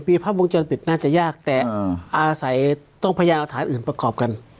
มีภาพวงจรปิดน่าจะยากแต่อาศัยต้องพยายามหลักฐานอื่นประกอบกัน